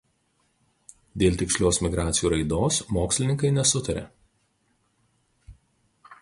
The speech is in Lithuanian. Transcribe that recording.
Dėl tikslios migracijų raidos mokslininkai nesutaria.